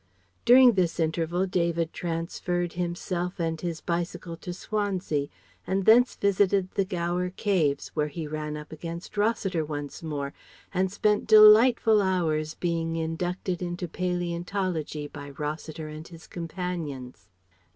During this interval David transferred himself and his bicycle to Swansea, and thence visited the Gower caves where he ran up against Rossiter once more and spent delightful hours being inducted into palæontology by Rossiter and his companions.